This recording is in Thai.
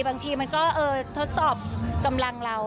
บางทีมันก็ทดสอบกำลังเรา